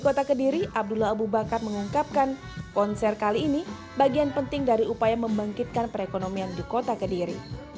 konser kali ini bagian penting dari upaya membangkitkan perekonomian di kota kediri